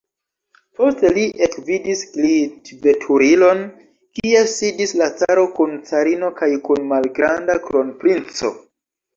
Poste ni ekvidis glitveturilon, kie sidis la caro kun carino kaj kun malgranda kronprinco.